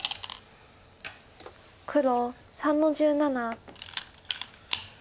黒３の十七。